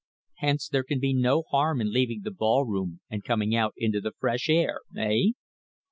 "Hence there can be no harm in leaving the ballroom and coming out into the fresh air eh?"